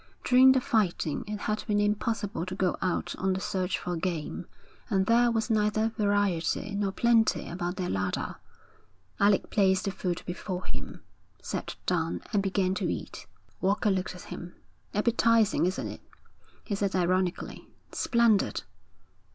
During the fighting it had been impossible to go out on the search for game, and there was neither variety nor plenty about their larder. Alec placed the food before him, sat down, and began to eat. Walker looked at him. 'Appetising, isn't it?' he said ironically. 'Splendid!'